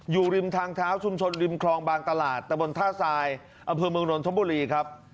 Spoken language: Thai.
อยู่ริมทางเท้าชุมชนริมคลองบางตลาดตะบนท่าทรายอำเภอเมืองนนทบุรีครับ